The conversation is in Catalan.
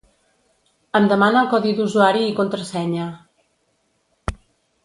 Em demana el codi d'usuari i contrasenya.